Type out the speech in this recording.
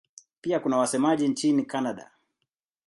Pia kuna wasemaji nchini Kanada.